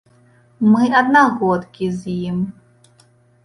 Мы аднагодкі з ім.